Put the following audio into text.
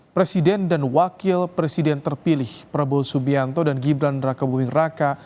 presiden dan wakil presiden terpilih prabowo subianto dan gibran raka buming raka